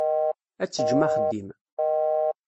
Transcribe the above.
Ad teǧǧem axeddim.